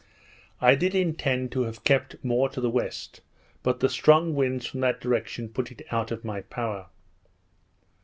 I did intend to have kept more to the west, but the strong winds from that direction put it out of my power.